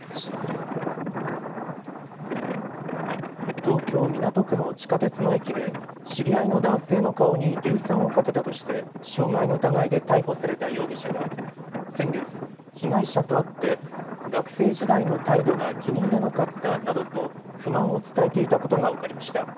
東京港区の地下鉄の駅で知り合いの男性の顔に硫酸をかけたとして傷害の疑いで逮捕された容疑者が先月、被害者と会って学生時代の態度が気に入らなかったなどと不満を伝えていたことが分かりました。